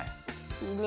いいね。